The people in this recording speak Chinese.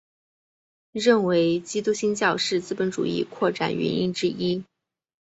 认为基督新教是资本主义扩展原因之一。